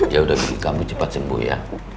ya udah kamu cepat sembuh ya